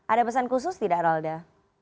ada pesan khusus tidak ralda